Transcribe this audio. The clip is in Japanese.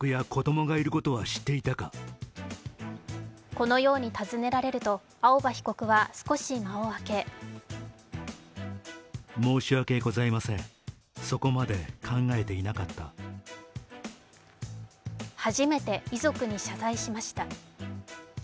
このように尋ねられると青葉被告は少し間をあけ初めて遺族に謝罪しました。